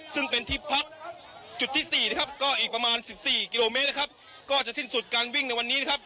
ซึ่งเป็นที่พักจุดที่สี่นะครับก็อีกประมาณสิบสี่กิโลเมตรนะครับก็จะสิ้นสุดการวิ่งในวันนี้นะครับ